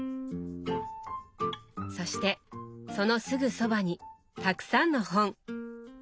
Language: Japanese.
そしてそのすぐそばにたくさんの本！